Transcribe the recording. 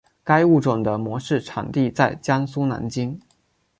该物种的模式产地在江苏南京。